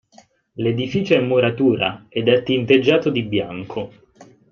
L'edificio è in muratura ed è tinteggiato di bianco.